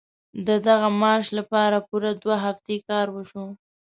د دغه مارش لپاره پوره دوه هفتې کار وشو.